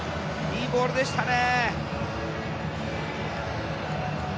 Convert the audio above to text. いいボールでしたね。